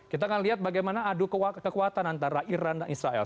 kita akan lihat bagaimana adu kekuatan antara iran dan israel